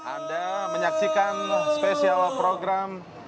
anda menyaksikan spesial program